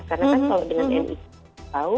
karena kan kalau dengan nik kita tahu